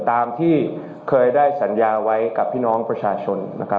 ตามที่เคยได้สัญญาไว้กับพี่น้องประชาชนนะครับ